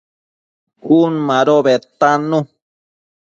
Cun mado bedtannu